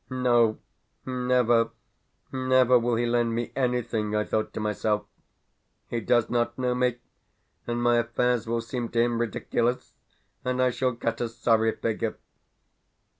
"No, never, never will he lend me anything!" I thought to myself, "He does not know me, and my affairs will seem to him ridiculous, and I shall cut a sorry figure.